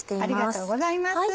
ありがとうございます。